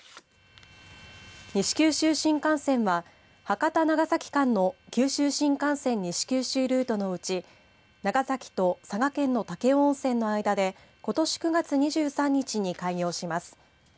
西九州新幹線は博多、長崎間の九州新幹線西九州ルートのうち長崎と佐賀県の武雄温泉の間でことし９月２３日に開業します。